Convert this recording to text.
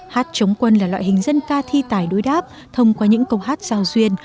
hát chống quân là loại hình dân ca thi tài đối đáp thông qua những câu hát giao duyên